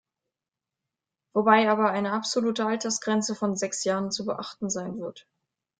Wobei aber eine absolute Altersgrenze von sechs Jahren zu beachten sein wird.